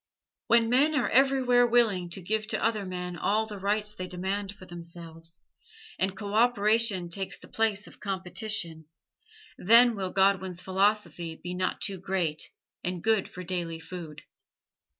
When men are everywhere willing to give to other men all the rights they demand for themselves, and co operation takes the place of competition, then will Godwin's philosophy be not too great and good for daily food.